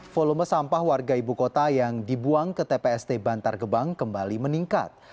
volume sampah warga ibu kota yang dibuang ke tpst bantar gebang kembali meningkat